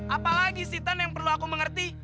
apa lagi sih tante yang perlu aku mengerti